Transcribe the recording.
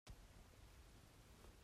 Ramlak ah ram an vai.